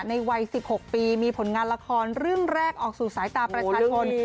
ในวัย๑๖ปีมีผลงานละครเรื่องแรกออกสู่สายตาประชาชน